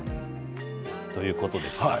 ということですね。